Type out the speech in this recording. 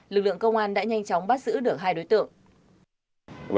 lực lượng công an đã nhanh chóng bắt giữ được hai đối tượng